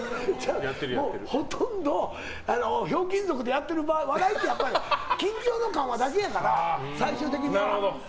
もうほとんど「ひょうきん族」でやってる笑いって緊張と緩和だけやから最終的には。